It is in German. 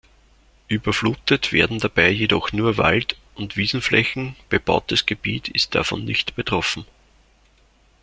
Überflutet werden dabei jedoch nur Wald- und Wiesenflächen, bebautes Gebiet ist davon nicht betroffen.